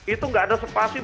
itu tidak ada sepasif